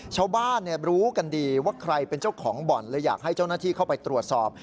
ชาวบ้านรู้กันดีว่าใครเป็นเจ้าของบ่อนเลยอยากให้เจ้าหน้าที่เข้าไปตรวจสอบ